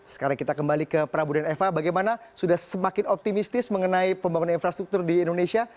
sekarang kita kembali ke prabu dan eva bagaimana sudah semakin optimistis mengenai pembangunan infrastruktur di indonesia